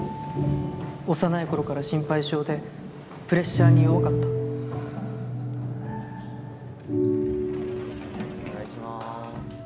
幼い頃から心配性でプレッシャーに弱かったお願いします。